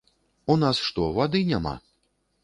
У нас што, вады няма?